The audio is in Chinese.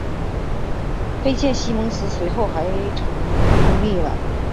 菲茨西蒙斯随后还成立了。